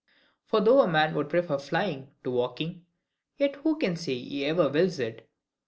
For though a man would prefer flying to walking, yet who can say he ever wills it?